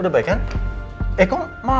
ya aku pengen